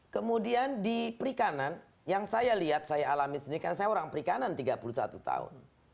kemudian di perikanan yang saya lihat saya alami sendiri karena saya orang perikanan tiga puluh satu tahun